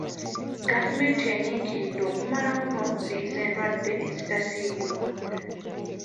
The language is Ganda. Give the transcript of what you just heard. Gavumenti enyiikiridde okumalawo n'okuziyiza endwadde ezitasiigibwa.